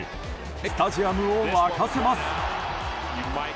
スタジアムを沸かせます。